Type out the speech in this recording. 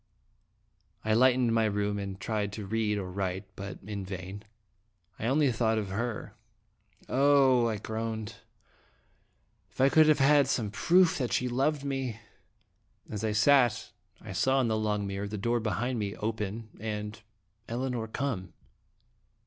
I lighted my room, and tried to read or write, but in vain. I only thought of her. " Oh !" I groaned, " if I could have had some proof that she loved me!" As I sat, I saw in a long mirror the door behind me open, and Elinor come!